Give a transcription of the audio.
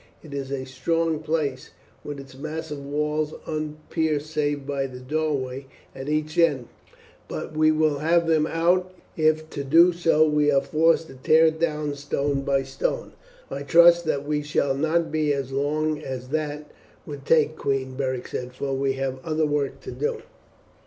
It is a strong place, with its massive walls unpierced save by the doorway at each end; but we will have them out if to do so we are forced to tear it down stone by stone." "I trust that we shall not be as long as that would take, queen," Beric said, "for we have other work to do."